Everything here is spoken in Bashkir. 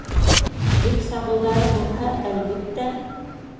Бик сағыуҙары булһа, әлбиттә...